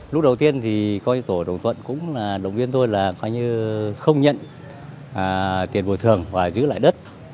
lúc đầu tiên thì công ty tổ đồng thuận cũng là động viên tôi là không nhận tiền bồi thường và giữ lại đất